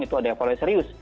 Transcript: itu ada evaluasi serius